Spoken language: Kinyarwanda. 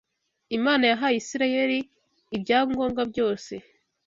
Imana yahaye Isirayeli ibyangombwa byose